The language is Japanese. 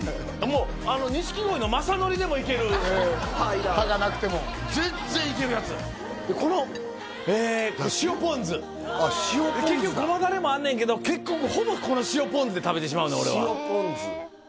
もう錦鯉の雅紀でもいける歯がなくても全然いけるやつでこの塩ポン酢結局ゴマダレもあんねんけどほぼこの塩ポン酢で食べてしまうねん